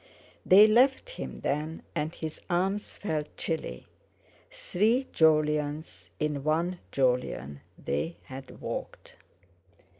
They left him then, and his arms felt chilly. Three Jolyons in one Jolyon they had walked.